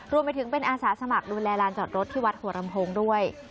รวมไปถึงเป็นอาสาสมัครดูแลลานจอดรถที่วัดหัวลำโพงด้วย